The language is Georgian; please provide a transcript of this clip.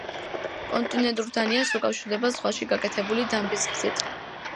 კონტინენტურ დანიას უკავშირდება ზღვაში გაკეთებული დამბის გზით.